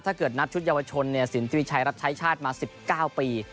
ถ้าเกิดนับชุดเยาวชนสินทรีชัยรับใช้ชาติมา๑๙ปี